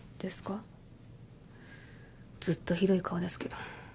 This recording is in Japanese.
ずっとひどい顔ですけど。